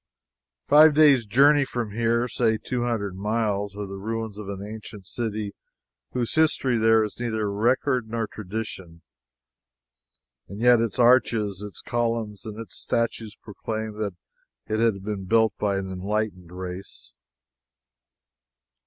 Five days' journey from here say two hundred miles are the ruins of an ancient city, of whose history there is neither record nor tradition. And yet its arches, its columns, and its statues proclaim it to have been built by an enlightened race.